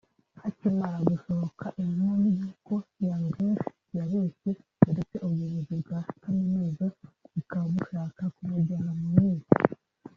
Hakimara gusohoka inkuru y’uko Young Grace yabeshye ndetse ubuyobozi bwa Kaminuza bukaba bushaka kumujyana mu nkiko